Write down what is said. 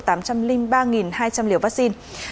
hai triệu tám trăm linh ba nghìn hai trăm linh liều vaccine